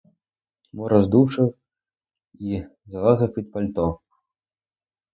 Мороз дужчав і залазив під пальто.